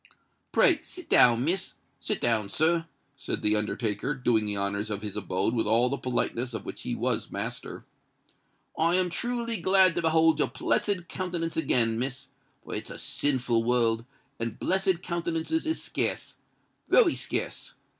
"Pray, sit down, Miss—sit down, sir," said the undertaker, doing the honours of his abode with all the politeness of which he was master. "I am truly glad to behold your blessed countenance again, Miss;—for it's a sinful world, and blessed countenances is scarce—wery scarce.